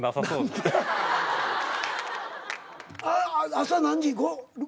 朝何時？